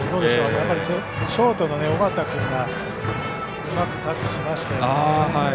やっぱりショートの緒方君がうまくタッチしましたよね。